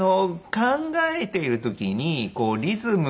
考えている時にリズムを。